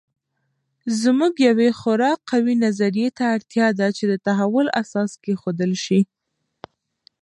زموږ یوې خورا قوي نظریې ته اړتیا ده چې د تحول اساس کېښودل سي.